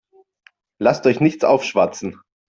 Lasst euch nichts aufschwatzen.